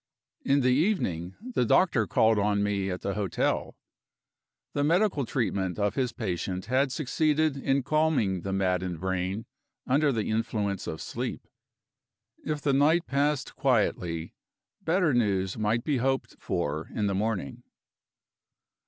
In the evening the doctor called on me at the hotel. The medical treatment of his patient had succeeded in calming the maddened brain under the influence of sleep. If the night passed quietly, better news might be hoped for in the morning.